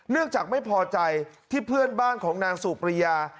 จากไม่พอใจที่เพื่อนบ้านของนางสุปริยา